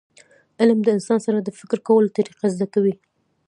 علم د انسان سره د فکر کولو طریقه زده کوي.